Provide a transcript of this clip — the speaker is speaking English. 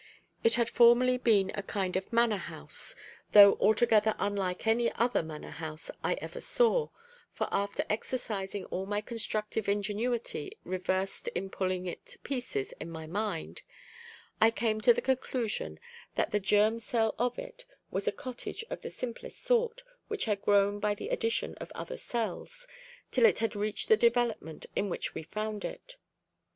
It had formerly been a kind of manor house, though altogether unlike any other manor house I ever saw; for after exercising all my constructive ingenuity reversed in pulling it to pieces in my mind, I came to the conclusion that the germ cell of it was a cottage of the simplest sort which had grown by the addition of other cells, till it had reached the development in which we found it.